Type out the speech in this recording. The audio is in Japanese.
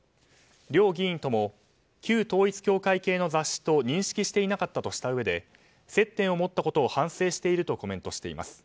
両議院とも旧統一教会系の雑誌と認識していなかったとしたうえで接点を持ったことを反省しているとコメントしています。